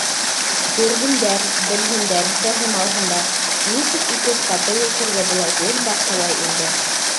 Күрһендәр, белһендәр, фәһем алһындар: нисек итеп татыу йәшәргә була гөл баҡсалай илдә.